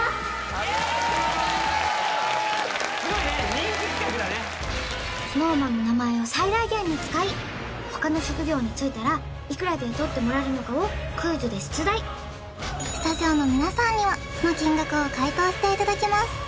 今回の企画はＳｎｏｗＭａｎの名前を最大限に使い他の職業についたらいくらで雇ってもらえるのかをクイズで出題スタジオの皆さんにはその金額を解答していただきます